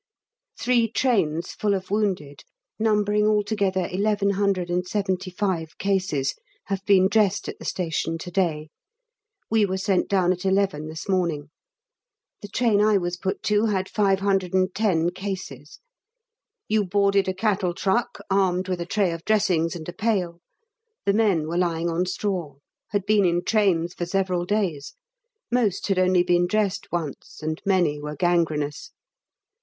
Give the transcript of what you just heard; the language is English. Three trains full of wounded, numbering altogether 1175 cases, have been dressed at the station to day; we were sent down at 11 this morning. The train I was put to had 510 cases. You boarded a cattle truck, armed with a tray of dressings and a pail; the men were lying on straw; had been in trains for several days; most had only been dressed once, and many were gangrenous.